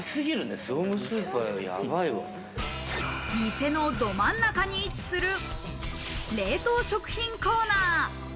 店のど真ん中に位置する冷凍食品コーナー。